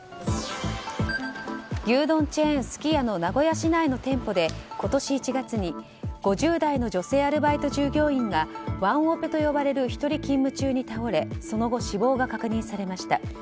牛丼チェーンすき家の名古屋市内の店舗で今年１月に５０代の女性アルバイト従業員がワンオペと呼ばれる１人勤務中に倒れその後、死亡が確認されました。